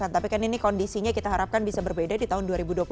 tapi kan ini kondisinya kita harapkan bisa berbeda di tahun dua ribu dua puluh satu